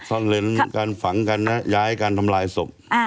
ซ่อนเล้นการฝังกันนะย้ายการทำลายศพ